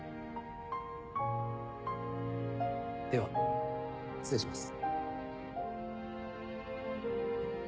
では失礼します。